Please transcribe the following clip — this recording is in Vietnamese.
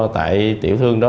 tại tiểu thương đó